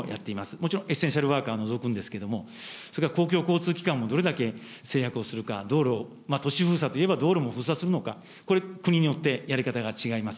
もちろんエッセンシャルワーカーは除くんですけれども、それから公共交通機関も、どれだけ制約をするか、道路、都市封鎖といえば道路も封鎖するのか、これ、国によってやり方が違います。